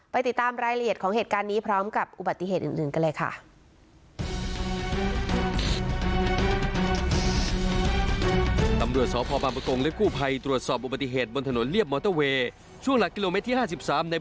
ติดตามรายละเอียดของเหตุการณ์นี้พร้อมกับอุบัติเหตุอื่นกันเลยค่ะ